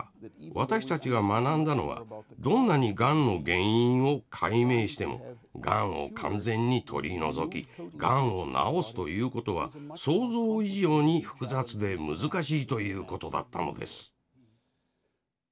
私たちが学んだのはどんなにがんの原因を解明してもがんを完全に取り除きがんを治すということは想像以上に複雑で難しいということだったのです。